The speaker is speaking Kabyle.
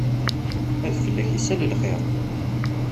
Ad fell-ak isal xiṛ.